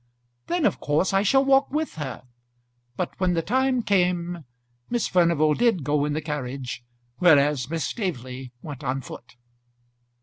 "Then of course I shall walk with her;" but when the time came Miss Furnival did go in the carriage whereas Miss Staveley went on foot.